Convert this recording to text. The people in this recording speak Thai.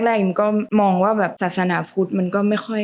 มันก็มองว่าศาสนาภุรษมันก็ไม่ค่อย